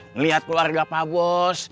ngelihat keluarga pak bos